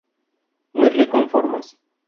Muy rico en formas.